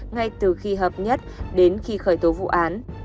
ngay từ khi hợp nhất đến khi khởi tố vụ án